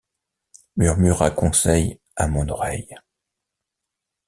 murmura Conseil à mon oreille.